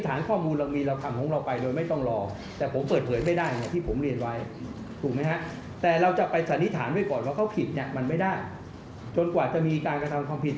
อันนี้ถามไปก่อนแล้วเขาผิดมันไม่ได้จนกว่าจะมีการกระทำความผิด